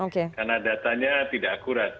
karena datanya tidak akurat